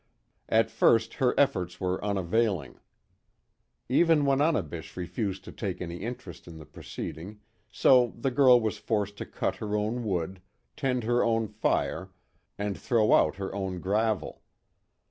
At first her efforts were unavailing. Even Wananebish refused to take any interest in the proceeding, so the girl was forced to cut her own wood, tend her own fire, and throw out her own gravel.